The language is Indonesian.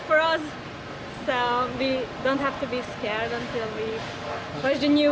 tapi keberuntungannya kita sangat jauh dari sini